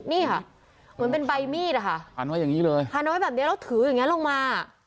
นี่ค่ะเหมือนเป็นใบมีดอะค่ะพันไว้อย่างนี้เลยพันไว้แบบนี้แล้วถืออย่างนี้ลงมา